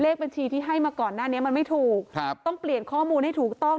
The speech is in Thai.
บัญชีที่ให้มาก่อนหน้านี้มันไม่ถูกครับต้องเปลี่ยนข้อมูลให้ถูกต้อง